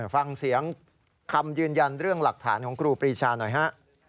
ฟังเสียงคำยืนยันเรื่องหลักฐานของครูปรีชาหน่อยฮะ